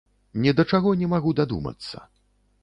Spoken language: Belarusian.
Ні да чаго не магу дадумацца.